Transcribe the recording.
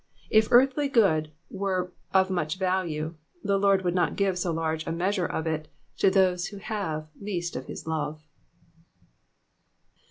If earthly good were of much value, the Lord would not give so large a measure of it to those who have least of his love.